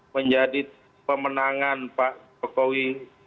menjadi pemenangan pak pekowi